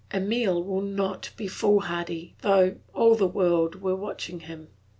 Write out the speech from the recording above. Emile will not be foolhardy, though all the world were watching him.